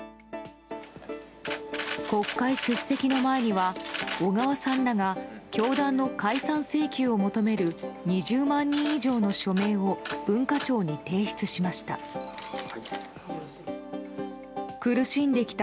国会出席の前には小川さんらが教団の解散請求を求める２０万人以上の署名を文化庁に提出しました。